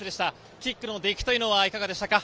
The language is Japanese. キックの出来というのはいかがでしたか？